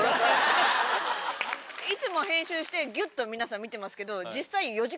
いつもは編集してギュっと皆さん見てますけど実際。